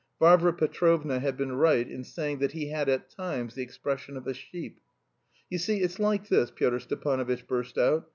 Varvara Petrovna had been right in saying that he had at times the expression of a sheep. "You see, it's like this," Pyotr Stepanovitch burst out.